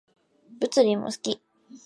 物理も好き